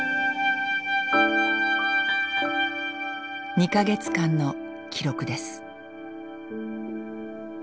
２か月間の記録です。